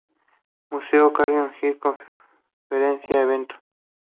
Museo Carrillo Gil, conferencia-evento.